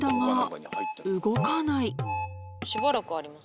しばらくあります。